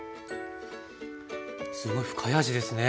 すごい深い味ですね